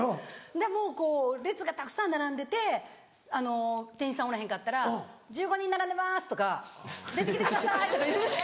でもこう列がたくさん並んでてあの店員さんおらへんかったら「１５人並んでます」とか「出て来てください」とか言うし。